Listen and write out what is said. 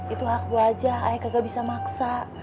itu hak gue aja ayah kagak bisa maksa